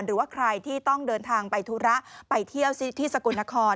หรือว่าใครที่ต้องเดินทางไปธุระไปเที่ยวที่สกลนคร